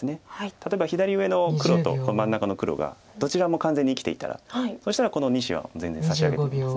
例えば左上の黒とこの真ん中の黒がどちらも完全に生きていたらそしたらこの２子は全然差し上げてもいいです。